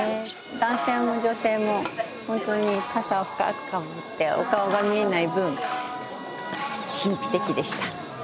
男性も女性もホントに笠を深くかぶってお顔が見えない分神秘的でした。